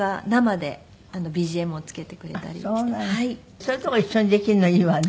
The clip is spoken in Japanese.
そういうとこ一緒にできるのいいわね。